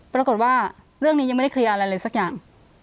ปรากฏว่าเรื่องนี้ยังไม่ได้เคลียร์อะไรเลยสักอย่าง